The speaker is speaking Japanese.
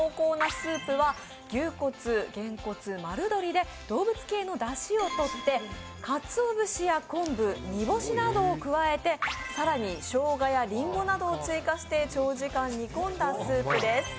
牛骨、ゲンコツ丸鶏で動物系のだしをとってかつお節や昆布、煮干しなどを加えて、更に、しょうがやりんごなどを追加して、長時間煮込んだスープです。